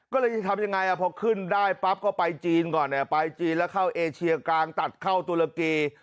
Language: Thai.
ก็เลยจะทำยังไงพอขึ้นได้ปั๊บก็ไปจีนก่อนเนี่ยไปจีนแล้วเข้าเอเชียกลางตัดเข้าตุรกี